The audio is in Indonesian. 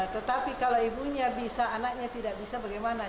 tetapi kalau ibunya bisa anaknya tidak bisa bagaimana